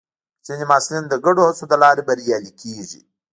ځینې محصلین د ګډو هڅو له لارې بریالي کېږي.